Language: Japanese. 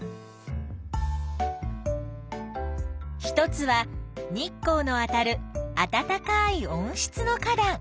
一つは日光のあたるあたたかい温室の花だん。